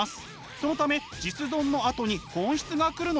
そのため実存のあとに本質が来るのです。